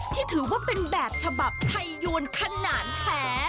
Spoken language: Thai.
ที่ถือว่าเป็นแบบฉบับไทยยวนขนาดแท้